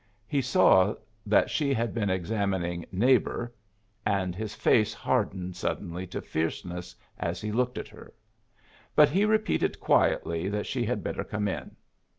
He saw that she had been examining "Neighbor," and his face hardened suddenly to fierceness as he looked at her; but he repeated quietly that she had better come in.